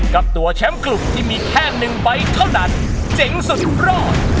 กับตัวแชมป์กลุ่มที่มีแค่หนึ่งใบเท่านั้นเจ๋งสุดรอด